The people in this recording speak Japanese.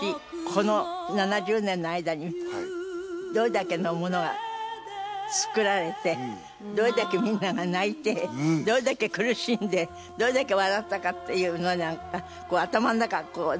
この７０年の間にどれだけのものが作られてどれだけみんなが泣いてどれだけ苦しんでどれだけ笑ったかっていうのを何か頭の中こうずっとね渦巻きます